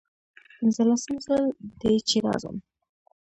پنځلسم ځل دی چې راځم.